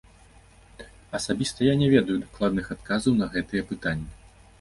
Асабіста я не ведаю дакладных адказаў на гэтыя пытанні.